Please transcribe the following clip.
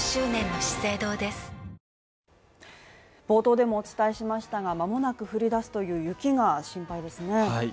冒頭でもお伝えしましたが、間もなく降り出すという雪が心配ですね。